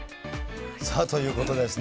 さあ、ということでですね。